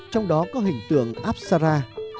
trong đó có hình tượng apsara